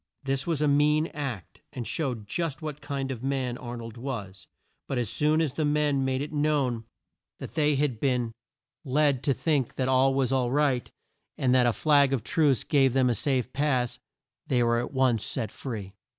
This was a mean act, and showed just what kind of a man Ar nold was, but as soon as the men made it known that they had been led to think that all was right, and that a flag of truce gave them a safe pass, they were at once set free.